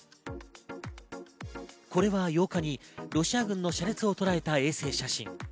これは８日にロシア軍の車列をとらえた衛星写真。